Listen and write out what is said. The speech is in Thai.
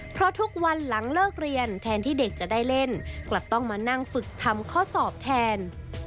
เพราะทุกวันหลังเลิกเรียนแทนที่เด็กจะได้เล่นกลับต้องมานั่งฝึกทำข้อสอบแทน